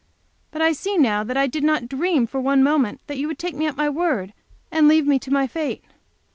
But I see now that I did not dream for one moment that you would take me at my word and leave me to my fate.